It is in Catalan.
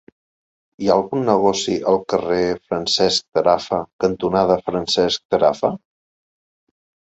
Hi ha algun negoci al carrer Francesc Tarafa cantonada Francesc Tarafa?